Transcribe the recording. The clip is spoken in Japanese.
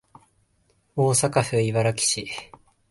大阪府茨木市